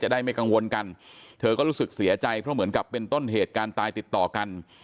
ได้ไม่กังวลกันเธอก็รู้สึกเสียใจเพราะเหมือนกับเป็นต้นเหตุการณ์ตายติดต่อกัน